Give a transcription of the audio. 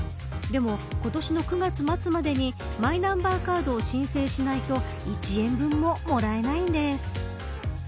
でも今年の９月末までにマイナンバーカードを申請しないと１円分ももらえないんです。